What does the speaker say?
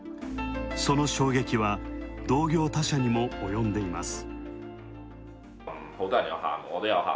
その衝撃は同業他社にもおよんでいます。